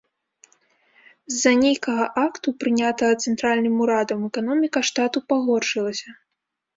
З-за нейкага акту, прынятага цэнтральным урадам, эканоміка штату пагоршылася.